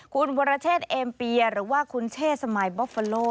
คุณบรเทศเอมเปียร์หรือว่าคุณเช่สมัยบอฟเฟลโล